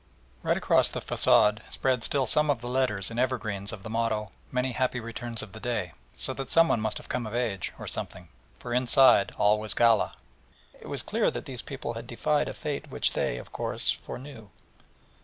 Right across the façade spread still some of the letters in evergreens of the motto: 'Many happy returns of the day,' so that someone must have come of age, or something, for inside all was gala, and it was clear that these people had defied a fate which they, of course, foreknew.